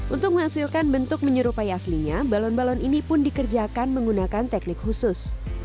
untuk menghasilkan bentuk menyerupai aslinya balon balon ini pun dikerjakan menggunakan teknik khusus